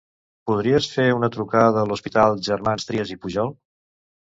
Podries fer una trucada a l'Hospital Germans Trias i Pujol?